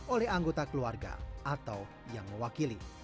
oleh anggota keluarga atau yang mewakili